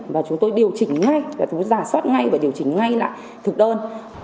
và chúng tôi điều chỉnh ngay và chúng tôi giả soát ngay và điều chỉnh ngay lại thực đơn